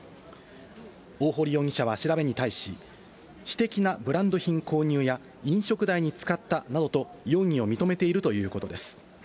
大堀容疑者は調べに対し、私的なブランド品購入や飲食代に使ったなどと容疑を認めているということです。